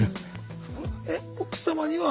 えっ奥様には？